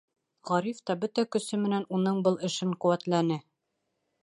Ғариф та бөтә көсө менән уның был эшен ҡеүәтләне.